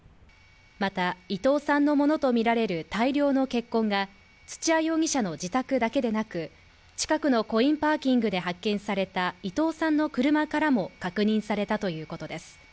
また、伊藤さんのものとみられる大量の血痕が土屋容疑者の自宅だけでなく近くのコインパーキングで発見された伊藤さんの車からも確認されたということです。